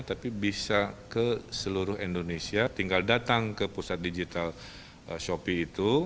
tapi bisa ke seluruh indonesia tinggal datang ke pusat digital shopee itu